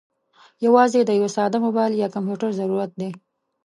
یوازې د یوه ساده موبايل یا کمپیوټر ضرورت دی.